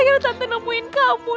akhirnya tante nemuin kamu